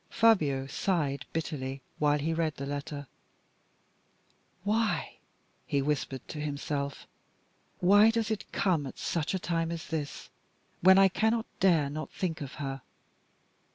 Fabio sighed bitterly while he read the letter. "Why," he whispered to himself, "why does it come at such a time as this, when I cannot dare not think of her?"